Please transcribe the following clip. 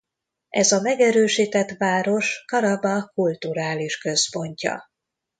Ez a megerősített város Karabah kulturális központja.